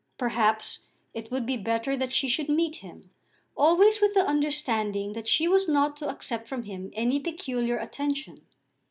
Perhaps it would be better that she should meet him, always with the understanding that she was not to accept from him any peculiar attention.